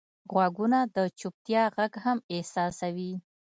غوږونه د چوپتیا غږ هم احساسوي